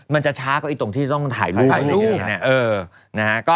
มันจะช้ากลอดเลยตรงที่ต้องถ่ายรูด